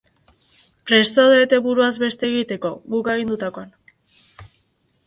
Prest zaudete buruaz beste egiteko, guk agindutakoan?